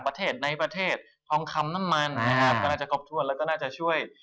ประเทศในประเทศทองคำน้ำมันนะครับก็น่าจะครบถ้วนแล้วก็น่าจะช่วย